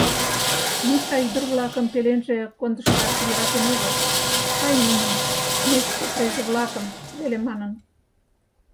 Миша ӱдыр-влакым пеленже кондышташ йӧратен огыл: «Ай нуным, нечке презе-влакым», — веле манын.